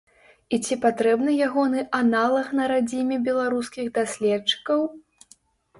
І ці патрэбны ягоны аналаг на радзіме беларускіх даследчыкаў?